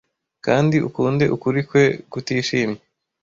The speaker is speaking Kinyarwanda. Kandi ukunde ukuri kwe kutishimye--